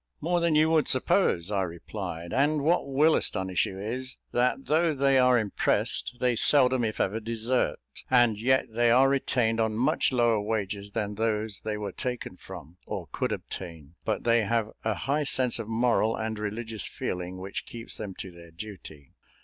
"More than you would suppose," I replied; "and what will astonish you is, that though they are impressed, they seldom, if ever, desert; and yet they are retained on much lower wages than those they were taken from, or could obtain; but they have a high sense of moral and religious feeling, which keeps them to their duty.